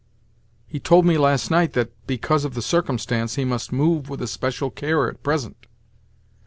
He told me last night that, because of the circumstance, he must 'move with especial care at present.